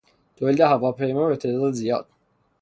تولید هواپیما به تعداد زیاد